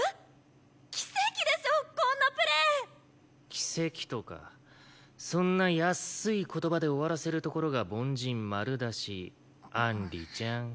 「奇跡」とかそんな安い言葉で終わらせるところが凡人丸出しアンリちゃん。